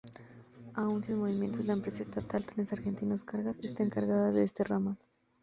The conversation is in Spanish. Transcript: Aún sin movimiento, la empresa estatal Trenes Argentinos Cargas está encargada de este ramal.